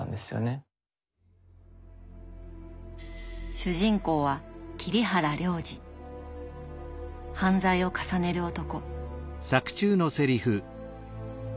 主人公は犯罪を重ねる男。